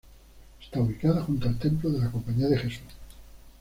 Está ubicada junto al templo de la Compañía de Jesús.